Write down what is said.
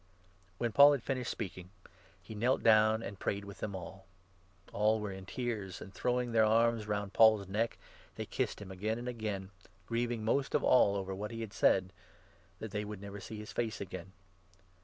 '" When Paul had finished speaking, he knelt down and prayed 36 with them all. All were in tears ; and throwing their 37 arms round Paul's neck, they kissed him again and again, grieving most of all over what he had said — that they would 38 never see his face again.